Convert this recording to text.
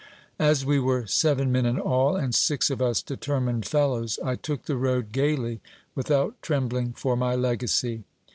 As we were seven men in all, and six of us determined fellows, I took the road gaily, without trembling for my legacy.